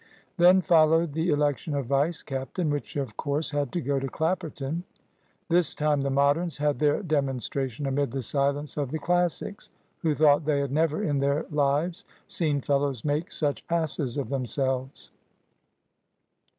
Then followed the election of vice captain, which of course had to go to Clapperton. This time the Moderns had their demonstration amid the silence of the Classics, who thought they had never in their lives seen fellows make such asses of themselves.